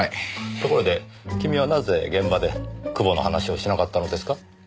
ところで君はなぜ現場で久保の話をしなかったのですか？